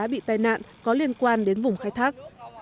bị tai nạn có liên quan đến vùng khai thác